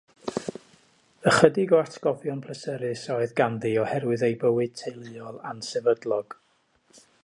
Ychydig o atgofion pleserus a oedd ganddi oherwydd ei bywyd teuluol ansefydlog.